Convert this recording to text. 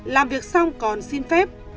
làm việc xong còn xin phép